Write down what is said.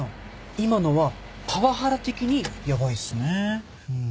今のはパワハラ的にヤバいっすね。